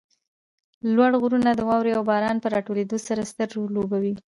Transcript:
لوړ غرونه د واروې او باران په راټولېدو کې ستر رول لوبوي